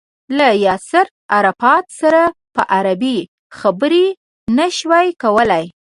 له ياسر عرفات سره په عربي خبرې نه شوای کولای.